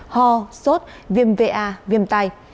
ho sốt viêm va viêm tai